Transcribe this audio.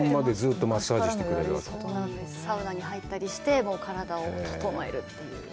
サウナに入ったりして、体をととのえるという。